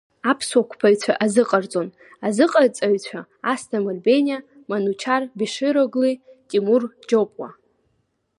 Аԥсуа қәԥаҩцәа азыҟарҵон азыҟаҵаҩцәа Асҭамыр Бениа, Манучар Бешир оглы, Тимур Џьопуа.